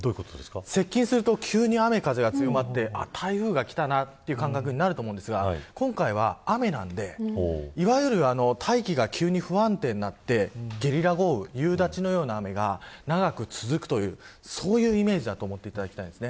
接近すると、急に雨風が強まって台風がきたなという感覚になると思いますが今回は雨なんでいわゆる大気が急に不安定になってゲリラ豪雨、夕立のような雨が長く続くというそういうイメージだと思っていただきたいです。